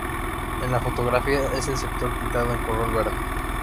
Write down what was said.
En la fotografía, es el sector pintado en color verde.